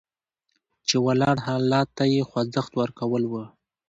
چې ولاړ حالت ته یې خوځښت ورکول وو.